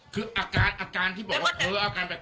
คืออาการที่บอกว่าเพ้ออาการแปลก